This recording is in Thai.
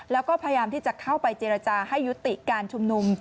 แล้วก็พยายามที่จะเข้าไปเจรจาให้ยุติการชุมนุม